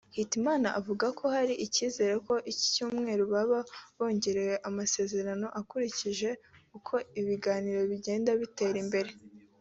Hitimana avuga ko hari icyizere ko iki cyumweru baba bongereye amasezerano akurikije uko ibiganiro bigenda bitera imbere